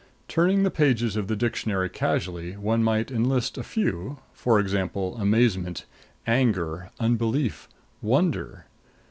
Turning the pages of the dictionary casually, one might enlist a few for example, amazement, anger, unbelief, wonder.